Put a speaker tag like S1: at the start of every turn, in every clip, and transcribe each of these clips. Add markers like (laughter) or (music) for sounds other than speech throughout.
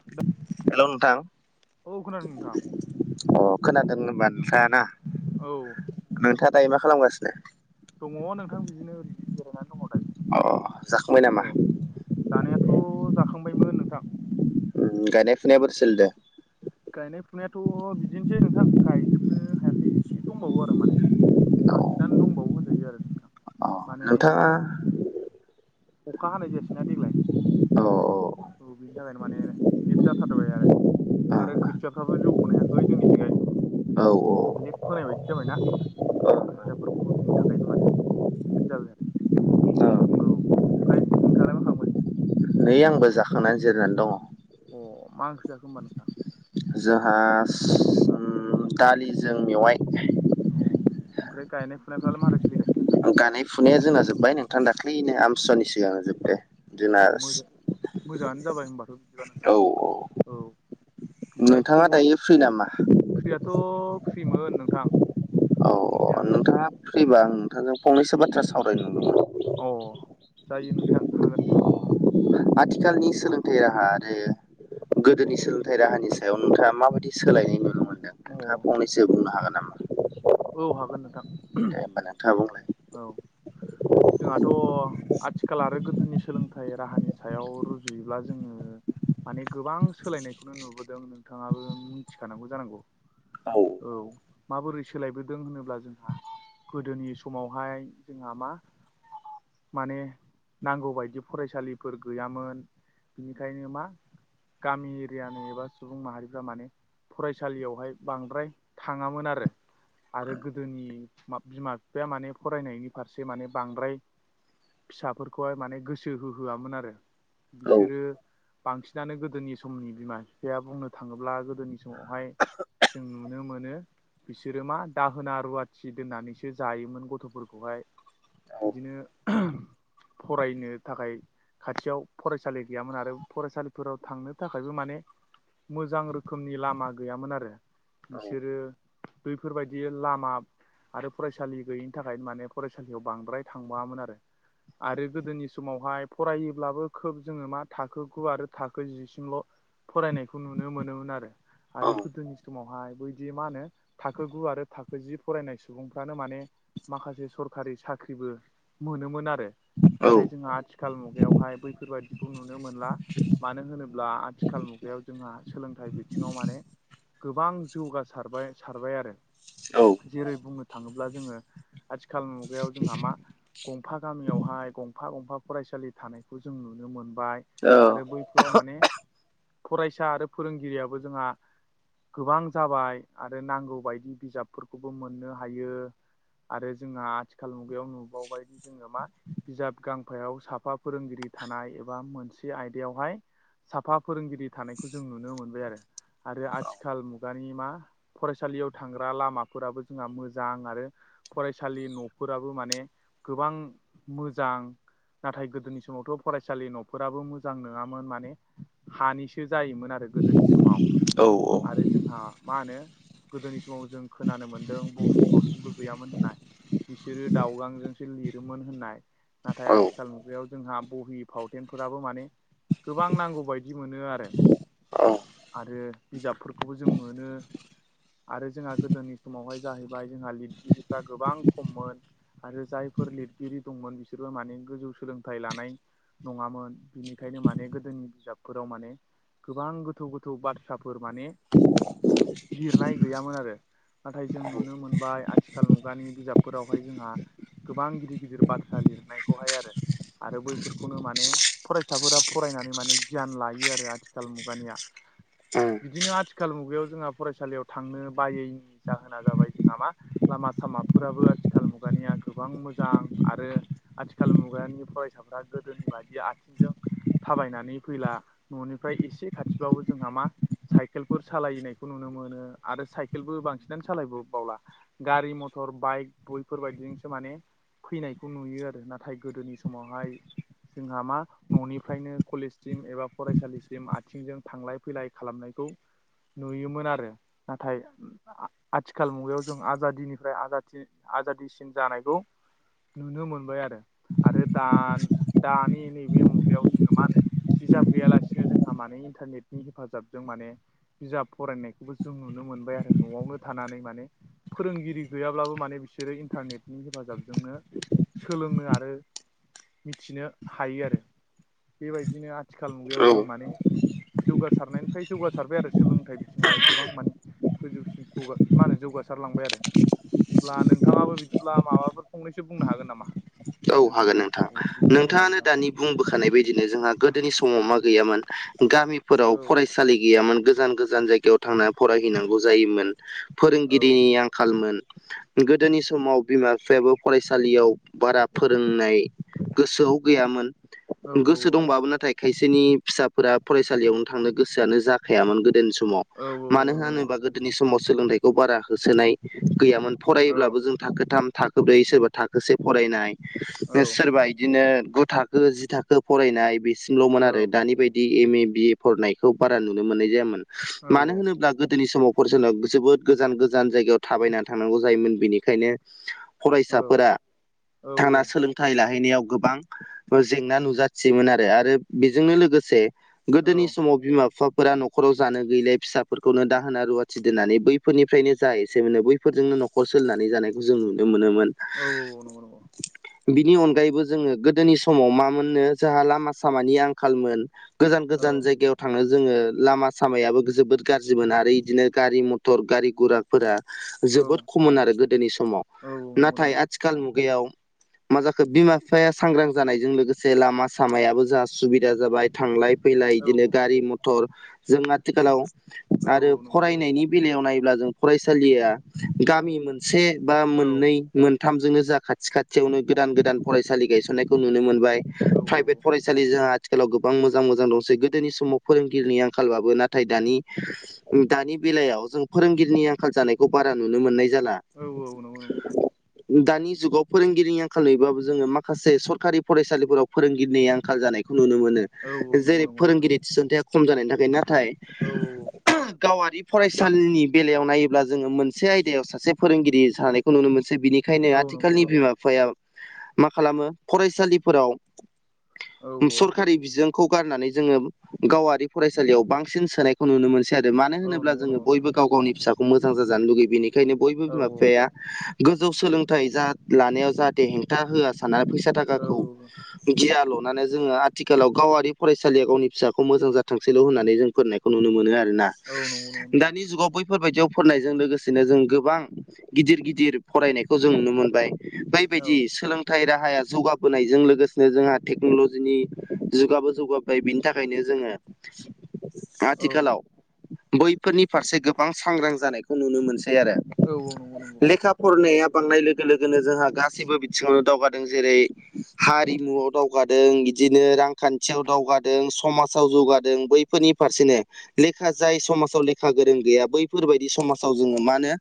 S1: (unintelligible)
S2: Hello नोंथां
S1: औ खोनादों नोंथां
S2: अ' खोनादों होनबा नोथांआ ना।
S1: औ
S2: नोंथाङा दायो मा खालामगासिनो।
S1: दङ नोंथां बिदिनो ओरैनो जिरायनानै दङ दायो।
S2: अ' जाखांबाय
S1: औ
S2: नामा?
S1: जानायाथ' जाखांबायमोन नोंथां।
S2: उम गायनाय फुनाया बोरै सोलिदो।
S1: गायनाय फुनायाथ' बिदिनोसै नोंथां गायजोबनो हायाखै एसे दंबावो आरो माने।
S2: औ
S1: बांसिनानो दंबावो होनजायो आरो नोंथां।
S2: अ
S1: माने
S2: नोंथाङा
S1: अखा हानाय जायासैना देग्लाय।
S2: औ
S1: औ बिनि थाखायनो माने लेट जाथारबाय आरो। आरो खोथियाफ्राबो जौखनो हायाखै जोंनिथिंहाय।
S2: औ औ।
S1: लेट फोनाय बायदि जाबायना खोथियाफोरखौ बिनि थाखायनो माने लेट जाबाय आरो। औ ओमफ्राय नोंथाङालाय मा खालामगासिनो?
S2: नै आंबो जाखांनानै जिरायनानै दङ।
S1: अ मा ओंख्रि जाखो होनबा नोंथां।
S2: जोंहा ओम दालिजों मेवाइ।
S1: अ' ओमफ्राय गायनाय फुनायफ्रालाय मारै सोलिगासिनो दा?
S2: गानाय फुनाया जोंना जोब्बाय नोंथां दाख्लैनो आमथिसुवानि सिगां जोबबाय।
S1: अ मोजां मोजाङानो जाबाय होनबाथ' बिदिबा नोंथां औ। ओमफ्राय
S2: नोंथाङा
S1: खबर
S2: दायो फ्रि नामा?
S1: फ्रियाथ' फ्रिमोन नोंथां
S2: औ
S1: फ्रियानो।
S2: नोंथाङा फ्रिबा आं नोंथांजों फंनैसो बाथ्रा सावरायनो नंदोंमोन।
S1: अ अ जायो नोंथां हागोन।
S2: आथिखालनि सोलोंथाइ राहा आरो गोदोनि सोलोंथाइ राहानि सायाव नोंथाङा माबायदि सोलायनाय नुनो मोन्दों?
S1: अ
S2: नोंथाङा फंनैसो बुंनो हागोन नामा?
S1: औ हागोन नोंथां।
S2: होनबा नोंथांआ बुंलाय।
S1: औ। जोंहाथ' आथिखाल आरो गोदोनि सोलोंथाइ राहानि सायाव रुजुयोब्ला जोङो माने गोबां सोलायनायखौनो नुबोदों नोंथाङाबो मिथिखानांगौ जानांगौ। औ माबोरै सोलायबोदों होनोब्ला जोंहा गोदोनि समावहाय जोंहा मा माने नांगौ बायदि फरायसालिफोर गैयामोन। बिनिखायनो मा गामि एरियानि एबा सुबुं माहारिफ्रा माने फरायसालियावहाय बां बांद्राय थाङामोन आरो। आरो गोदोनि मा बिमा बिफाया माने फरायनायनि फारसे माने बांद्राय फिसाफोरखौहाय माने गोसो होहोआमोन आरो
S2: औ
S1: बिसोरो बांसिनानो गोदोनि समनि बिमा बिफाया बुंनो थाङोब्ला गोदोनि समावहाय जों नुनो मोनो बिसोरो मा दाहोना रुवाथि दोननानैसो जायोमोन गथ'फोरखौहाय।
S2: औ
S1: बिदिनो फरायनो थाखाय खाथियाव फरायसालि गैयामोन आरो फरायसालिफोराव थांनो थाखायबो माने मोजां रोखोमनि लामा गैयामोन आरो।
S2: औ
S1: बिसोरो बैफोरबायदि लामा आरो फरायसालि गैयिनि थाखायनो माने फरायसालियाव बांद्राय थांबाङामोन आरो। आरो गोदोनि समावहाय फरायोब्लाबो खोब जोङो मा थाखो गु आरो थाखो जिसिमल' फरायनायखौ नुनो मोनोमोन आरो आरो
S2: औ
S1: गोदोनि समावहाय बैदि मा होनो थाखो गु आरो थाखो जि फरायनाय सुबुंफ्रानो माने माखासे सरखारि साख्रिबो मोनोमोन आरो।
S2: औ
S1: नाथाय जोंहा आथि खाल मुगायावहाय बैफोरबायदिखौ नुनो मोनला। मानो होनोब्ला आथिखाल मुगायाव जोंहा सोलोंथाइ बिथिङाव माने गोबां जौगासारबाय सारबाय आरो
S2: औ
S1: जेरै बुंनो थाङोब्ला जोङो आथिखाल मुगायाव जोंहा मा गंफा गामियावहाय गंफा गंफा फरायसालि थानायखौ जों नुनो मोनबाय। आरो बैफोराव माने फरायसा आरो फोरोंगिरियाबो जोंहा गोबां जाबाय आरो नांगौ बायदि बिजाबफोरखौबो मोननो हायो आरो जोंहा आथिखाल मुगायाव नुबावबायदि जोङो मा बिजाब गांफायाव साफा फोरोंगिरि थानाय एबा मोनसे आयदायावहाय साफा फोरोंगिरि थानायखौ जों नुनो मोनबाय आरो। आरो आथि खाल मुगानि मा फरायसालियाव थांग्रा लामाफोराबो जोंहा मोजां आरो फरायसालि न'फोराबो माने गोबां मोजां नाथाय गोदोनि समावथ' फरायसालि न'फोराबो मोजां नङामोन माने हानिस सो जायोमोन आरो गोदोनि समाव।
S2: औ
S1: आरो जोंहा मा होनो गोदोनि समाव जों खोनानो मोनदों बहि फावथेनबो गैयामोन होननाय। बिसोरो दावगांजोंसो लिरोमोन होननाय नाथाय आथिखाल मुगायाव जोंहा बहि फावथेनफोराबो माने गोबां नांगौबायायदि मोनो आरो। आरो बिजाब खौबो जों मोनो आरो जोंहा गोदोनि समावहाय जाहैबाय जोंहा लिरगिरिफ्रा गोबां खममोन आरो जायफोर लिरगिरि दंमोन बिसोरबो माने गोजौ सोलोंथाइ लानाय नङामोन बिनिखायनो माने गोदोनि बिजाबफोराव माने गोबां गोथौ गोथौ बाथ्राफोर माने लिरनाय गैयामोन आरो नाथाय जों नुनो मोनबाय आथिखाल मुगानि बिजाबफोरावहाय जोंहा गोबां गिदिर गिदिर बाथ्रा लिरनायखौहाय आरो आरो बैफोरखौनो माने फरायसाफोरा फरायनानै माने गियान लायो आरो आथिखाल मुगानिया।
S2: औ
S1: बिदिनो आथिखाल आथिखाल मुगायाव जोंहा फरायसालियाव थांनो बायैनि जाहोना जाबाय जोंहा मा लामा सामाफोराबो आथिखाल मुगानिया गोबां मोजां आरो आथिखाल मुगानि फरायसाफ्रा गोदोनि बायदि आथिंजों थाबायनानै फैला न'निफ्राय एसे खाथिबाबो जोंहा मा साइकेलफोर सालायनायखौ नुनो मोनो आरो साइकेलबो बांसिनानो सालायबोबावला गारि मथर बाइक बैफोरबायदिजोंसो माने फैनायखौ नुयो आरो नाथाय गोदोनि समावहाय जोंहा मा न'निफ्रायनो कलेजसिम एबा फरायसालिसिम आथिंजों थांलाय फैलाय खालामनायखौ नुयोमोन आरो नाथाय आथिखाल मुगायाव जों आजादिनिफ्राय आजाद आजादिसिन जानायखौ नुनो मोनबाय आरो। आरो द दानि नैबे मुगायाव जोङो मा होनो बिजाब गैयालासिनो जोंहा माने इन्टारनेटनि हेफाजाबजों माने बिजाब फरायनायखौबो जों नुनो मोनबाय आरो न'आवनो थानानै माने फोरोंगिरि गैयाब्लाबो माने बिसोरो इन्टारनेटनि हेफाजाबजोंनो सोलोंनो आरो मिथिनो हायो आरो बेबायदिनो आथिखाल मुगायाव
S2: औ
S1: जों माने जौगासारनायनिफ्राय जौगासारबाय आरो सोलोंथाइ बिथिङावहाय गोबां माने गोजौसिम जौगा मा होनो जौगासारलांबाय आरो अब्ला नोंथाङाबो बिदिब्ला माबाफोर फंनैसो बुंनो हागोन नामा?
S2: औ हागोन नोंथां।
S1: औ बिदिब्ला बुंलाय
S2: नोंथाङानो
S1: नोंथां
S2: दानि बुंबोखानाय बायदिनो जोंहा गोदोनि समाव मा गैयामोन गामिफोराव
S1: औ
S2: फरायसालि गैयामोन गोजान गोजान जायगायाव थांना फरायहैनांगौ जायोमोन
S1: औ
S2: फोरोंगिरिनि आंखालमोन गोदोनि समाव। बिमा बिफायाबो फरायसालियाव बारा फोरोंनाय गोसोआव गैयामोन।
S1: औ
S2: गोसो
S1: औ
S2: दंबाबो नाथाय खायसेनि फिसाफोरा फरायसालियावनो थांनो गोसोआनो जाखायामोन गोदोनि समाव। मानो
S1: औ नंगौ
S2: होन
S1: नंगौ
S2: होनोबा गोदोनि समाव सोलोंथाइखौ बारा होसोनाय गैयामोन
S1: औ
S2: फरायोब्लाबो जों। थाखोथाम थाखो ब्रै सोरबा थाखोसे फरायनाय
S1: औ
S2: सोरबा बिदिनो गु थाखो जि थाखो फरायनाय बिसिमल'मोन
S1: औ
S2: आरो दानि बायदि। ए मे बिए फरायनायखौ बारा नुनो मोननाय जायोन
S1: औ
S2: मानो
S1: औ
S2: होनोब्ला गोदोनि समाव। फरायसालियाव जोबोद गोजान गोजान जायगायाव थाबायनानै थांनांगौ जायोमोन बेनिखायनो।
S1: औ
S2: फरायसाफोरा थांना सोलों लोंथाइ लाहैनायाव गोबां जेंना नुजाथियोमोन आरो आरो बेजोंनो लोगोसे। गोदोनि समाव बिमा बिफा फोरा नखराव जानो गैलाय फिसाफोरखौनो दाहोना रुवाथि दोन्नानै बैफोरनिफ्रायनो जा एसे मोनो बैफोर बे फोरजोंनो न'खर सोलिनानै जानायखौ जों नुनो मोनोमोन।
S1: औ नंगौ
S2: बिनि अनगायैबो जोङो गोदोनि समाव मामोननो जोंहा लामा सामानि आं खाल मोन गोजान
S1: औ
S2: गोजान जायगायाव थांनो जोङो लामा सामायाबो जोबोद गाज्रिमोन आरो इदिनो गारि मथर गारि गुराफोरा जोबोद
S1: औ
S2: खमन आरो गोदोनि समाव
S1: औ नंगौ
S2: नाथाय
S1: नंगौ
S2: आथिखाल मु गायाव मा जाखो बिमा बिफाया सांग्रां जानायजों लोगोसे लामा सामायाबो जा सुबिदा जाबाय थांलाय फैलाय
S1: औ
S2: बिदिनो गारि मथर जों आथिखालाव।
S1: औ
S2: आरो
S1: औ नंगौ नंगौ
S2: फरायनायनि बेलायाव नाब्ला जों फरायसालिया गामि मोनसे बा
S1: औ औ
S2: मोननै मोनथामजोंनो जा खाथि खाथियावनो गोदान गोदान फरायसालि गायसननायखौ नुनो मोनबाय
S1: औ
S2: प्राइभेट फरायसा फरायसालि जोंहा आथिखालाव गोबां मोजां मोजां दंसै गोदोनि समाव फोरोंगिरिनि आंखालबाबो नाथाय दानि दानि बेलायाव जों फोरोंगिरिनि आंखाल जानायखौ बारा नुनो मोननाय जाला।
S1: औ। नंगौ
S2: दानि। जुगाव फोरोंगिरिनि आंखाल नुयोबाबो जोङो माखासे सरखारि फरायसालिफोराव फोरोंगिरिनि आंखाल जानायखौ नुनो मोनो।
S1: औ नंगौ
S2: जेरै
S1: नंगौ नोंथां
S2: फोरोंगिरि थिसनथाया खम जानायनि थाखाय नाथाय।
S1: औ
S2: गावारि फरायसालिनि बेलायाव नायोब्ला जोङो मोनसे आयदायाव सासे फोरोंगिरि जानायखौ नुनो मोनसै बिनि बेखायनो
S1: औ नंगौ
S2: आथिखालनि
S1: नंगौ
S2: बिमा बिफाया मा खालामो फरायसालिफोराव।
S1: औ
S2: सरकारि बिजों। खौ गारनानै जोङो गावारि फरायसालियाव बांसिन सोनायखौ नुनो मोनसै। आरो मानो
S1: औ
S2: होनोब्ला
S1: नंगौ
S2: जोङो
S1: नंगौ
S2: बयबो गाव गावनि फिसाखौ मोजां जाजानो लुगैयो बेनिखायनो बयबो
S1: औ
S2: बिमा बिफाया। गोजौ सोलोंथाइ लानायाव जाहाथे हेंथा होआ साननानै फैसा
S1: औ
S2: थाखाखौ गिया ल'नानै जोङो आथिखालाव गावारि फरायसालिया गावनि फिसाखौ मोजां जाथोंसैल' होननानै जों फोरोंनाय खौ नुनो मोनो आरोना
S1: औ नंगौ नंगौ नोंथां
S2: दानि जुगाव बै बेफोरबायदियाव फरायनायजों लोगोसेनो जों गोबां गिदिर गिदिर फरायनायखौ जों नुनो मोनबाय।
S1: औ
S2: बैबायदि सोलोंथाइ राहाया जौगाबोनायजों लोगोसेनो जोंहा टेक्न'लजिनि जुगाबो जौगाबबाय बिनि थाखायनो जोङो
S1: औ
S2: आथिखालाव बैफोरनि फारसे गोबां सांग्रां जानायखौ नुनो मोनसै आरो।
S1: औ नंगौ नंगौ
S2: लेखा फरायनाया बांनाय लोगो लोगोनो जोंहा गासैबो बिथिङावनो दावगादों जेरै हारिमुआव। दावगादों बिदिनो रांखान्थियाव दावगादों समाजाव जौगादों बैफोरनि फारसेनो। लेखा जाय समाजाव लेखा गोरों गैया बैफोरबायाददि समाजाव जोङो मानो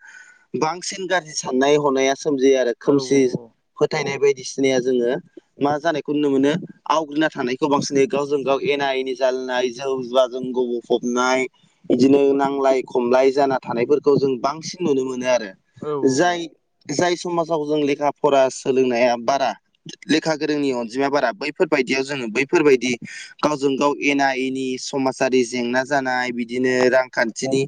S2: बांसिन गाज्रि साननाय हनाया सोमजियो आरो
S1: औ
S2: खोमसि।
S1: औ
S2: फोथायनाय बायदिसिनाया जोङो मा जानायखौ नुनो मोनो आवग्रिना थानाय खौ बांसिन गावजों गाव एना एनि जालनाय जौ जुवाजों गब'फबनाय। बिदिनो नांलाय खमलाय जाना थानायफोरखौ जों बांसिन नुनो मोनो। आरो
S1: औ
S2: जाय जाय समाजाव जों लेखा फरा सोलोंनाया बारा लेखा गोरोंनि अनजिमाया बारा बै फोरबायायदियाव जोङो बैफोरबायदि गावजों गाव एनाय नि समाजारि जेंना जानाय बिदिनो रांखान्थिनि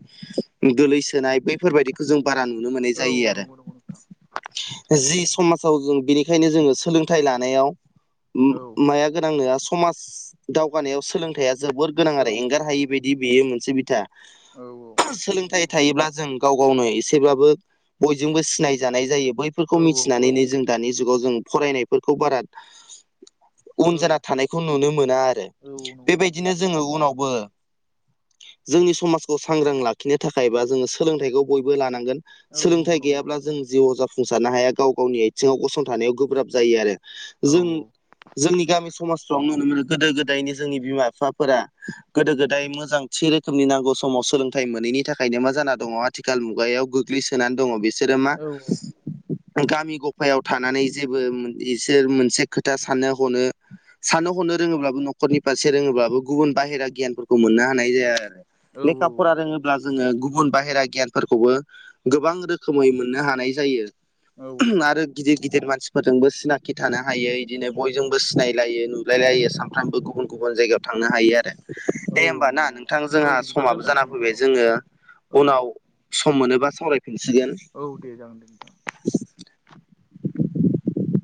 S2: गोलैसोनाय बैफोरबायाददिखौ जों बारा नुनो मोननाय
S1: औ
S2: जायो आरो।
S1: (unintelligible)
S2: जि समाजाव जों बिनिखायनो जोङो सोलोंथाइ लानायाव
S1: औ औ
S2: माया गोनां नोङा समाज दावगानायाव सोलोंथायाइा जोबोर गोनां आरो एंगार हायि बाय बि बेयो मोनसे बिथा
S1: औ नंगौ नंगौ औ नंगौ औ नंगौ
S2: सोलोंथाइ
S1: नंगौ
S2: थायोब्ला जों गाव गावनो एसेब्लाबो जोंबो सिनाय जानाय जायो
S1: औ
S2: बैफोरखौ
S1: औ नंगौ
S2: मिथिनानैनो जों दानि जुगाव जों फरायनायफोरखौ बारा उन
S1: नंगौ
S2: जाना
S1: औ
S2: थानायखौ नुनो मोना। आरो बेबायदिनो जोङो उनावबो जोंनि समाजखौ सांग्रां लाखिनो थाखाय बा जोङो सोलोंथाइखौ बयबो लानांगोन सोलोंथाइ गैयाब्ला जों जिउआव जाफुंसारनो हाया गाव गावनि आथिङाव गसंथानायाव गोब्राब जायो। आरो जों जोंनि गामि समाजफ्राव नुनो मोनो गोदो गोदायनि जोंनि बिमा बिफाफोरा गोदो गोदाय मोजांथि खोमनि नांगौ समाव सोलोंथाइ मोनैनि थाखायनो मा जाना दङ आथिखाल मुगायाव गोग्लैसोनानै दङ। बे सोरो मा गामि ग फायाव थानानै जेबो बिसोर मोनसे खोथा साननो हनो साननो हरनो रोङोब्लाबो नखरनि फारसे रोङोब्लाबो गुबुन बाहेरा गियानफोरखौ मोननो हानाय जाया आरो। लेखा फरा रोङोब्ला जोङो गुबुन बाहेरा गियानफोरखौबो गोबां रो खोमाय मोननो हानाय जायो। आरो गिदिर गिदिर मानसिफोरजोंबो सिनाखि थानो हायो बिदिनो बयजोंबो सिनायलायो नुलायलायो सानफ्रोमबो गुबुन गुबुन जायगायाव थांनो हायो आरो। दे होमबा ना नोंथां जोंहा
S1: बिदिब्ला
S2: समाबो जाना
S1: दोनलायनोसै
S2: फैबाय
S1: नोंथां
S2: जोङो
S1: औ
S2: उनाव सम मोनोबा सावरायफिनसिगोन।
S1: औ दे जागोन दे नोंथां
S2: (inaudible)